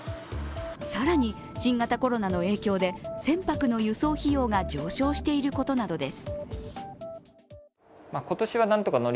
更に、新型コロナの影響で船舶の輸送費用が上昇していることなどです。